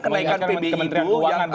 kenaikan pb itu